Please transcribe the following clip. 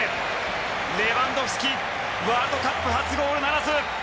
レバンドフスキワールドカップ初ゴールならず！